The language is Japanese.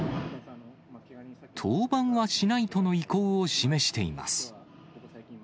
登板はしないとの意向を示しています。